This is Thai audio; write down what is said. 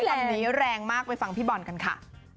คำนี้แรงมากไปฟังพี่บอลกันค่ะ